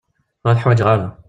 Ur tuḥwaǧeɣ ara.